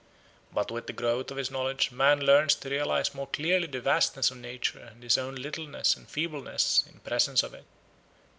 But with the growth of his knowledge man learns to realise more clearly the vastness of nature and his own littleness and feebleness in presence of it.